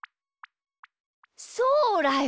そうだよ！